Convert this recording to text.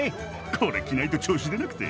これ着ないと調子出なくて。